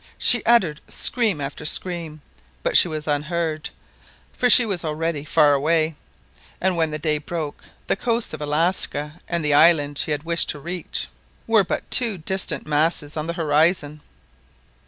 She uttered scream after scream, but she was unheard, for she was already far away, and when the day broke the coasts of Alaska and the island she had wished to reach, were but two distant masses on the horizon.